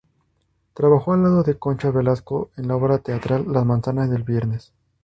Trabajó al lado de Concha Velasco en la obra teatral "Las manzanas del viernes".